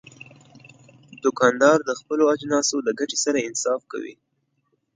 دوکاندار د خپلو اجناسو د ګټې سره انصاف کوي.